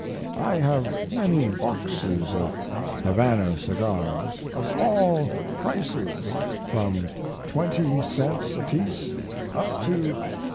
I have many boxes of Havana cigars, of all prices from 20 cents apiece up to $1.